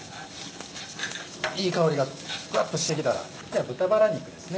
いい香りがフワっとしてきたら豚バラ肉ですね